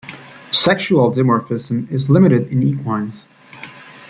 Sexual dimorphism is limited in equines.